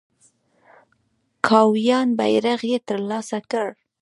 کاویان بیرغ یې تر لاسه کړ.